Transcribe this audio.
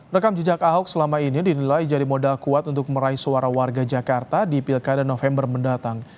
rekam jejak ahok selama ini dinilai jadi modal kuat untuk meraih suara warga jakarta di pilkada november mendatang